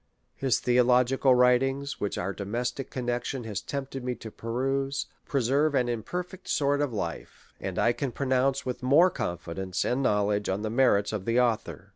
His theological writings, which our domestic connexion has tempted me to peruse, preserve an imperfect sort of life, and I can pronounce with more confidence and knowledge on the merits of the author.